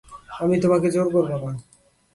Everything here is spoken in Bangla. আমি তোমাকে জোর করবো না।